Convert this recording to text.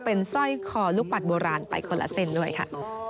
เป็นสร้อยคอลูกปัดโบราณไปคนละเส้นด้วยค่ะ